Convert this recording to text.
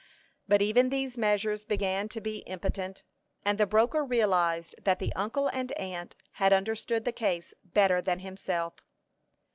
But even these measures began to be impotent, and the broker realized that the uncle and aunt had understood the case better than himself.